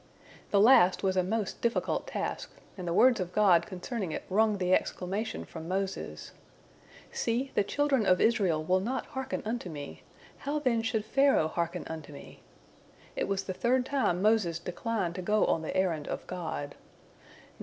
The last was a most difficult task, and the words of God concerning it wrung the exclamation from Moses: "See, the children of Israel will not hearken unto me. How, then, should Pharaoh hearken unto me?" It was the third time Moses declined to go on the errand of God.